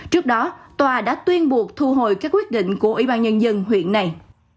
trước đó tòa đã tuyên buộc thu hồi các quyết định của ủy ban nhân dân huyện này